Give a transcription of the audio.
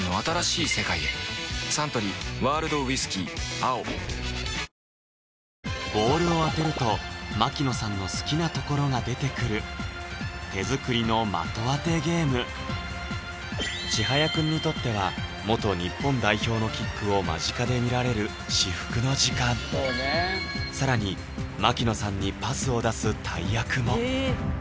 「碧Ａｏ」ボールを当てると槙野さんの好きなところが出てくる手作りの的当てゲームちはやくんにとっては日本代表のキックを間近で見られる至福の時間更に槙野さんにパスを出す大役も！